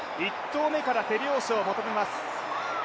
１投目から手拍子を求めます